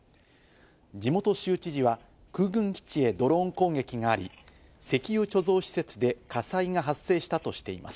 地元州知事は空軍基地へドローン攻撃があり、石油貯蔵施設で火災が発生したとしています。